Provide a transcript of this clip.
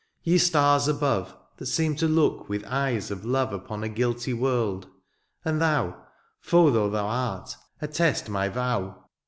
Ye stars above, '^ That seem to look with eyes of love ^^ Upon a guilty world, and thou, ^^ Foe though thou art, attest my vow.